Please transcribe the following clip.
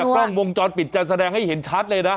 ป้ากจากกล้องวงจอดปิดจะแสดงให้เห็นชัดเลยนะ